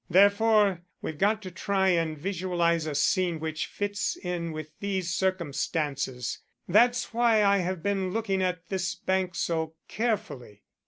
Therefore we've got to try and visualize a scene which fits in with these circumstances. That's why I have been looking at this bank so carefully.